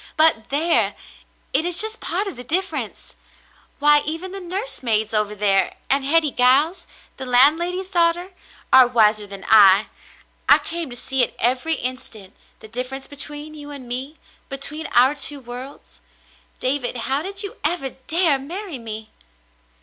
But there ! It is just part of the dif ference. Why, even the nursemaids over there, and Hetty Giles, the landlady's daughter, are wiser than I. I came to see it every instant, the difference between you and me — between our two worlds. David, how did you ever dare marry me